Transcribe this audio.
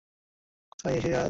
কোথায় এই শ্রীপুরধাম?